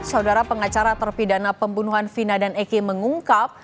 saudara pengacara terpidana pembunuhan vina dan eki mengungkap